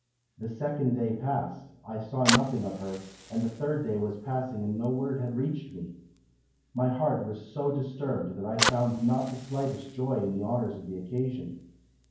The second day passed, but I saw nothing of her, and the third day was passing and no word had reached me. My heart was so disturbed that I found not the slightest joy in the honours of the occasion.